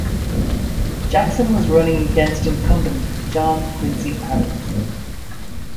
Jackson was running against incumbent John Quincy Adams.